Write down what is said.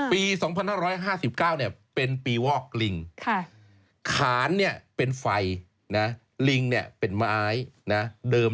ปี๒๕๕๙เนี่ยเป็นปีวอกลิงขาญเนี้ยเป็นไฟลิงเนี้ยเป็นไม้